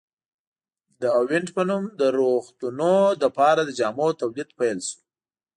د اوینټ په نوم د روغتونونو لپاره د جامو تولید پیل شو.